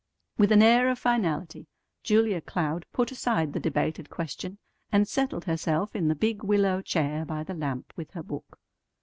With an air of finality Julia Cloud put aside the debated question, and settled herself in the big willow chair by the lamp with her book.